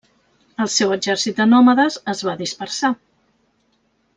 El seu exèrcit de nòmades es va dispersar.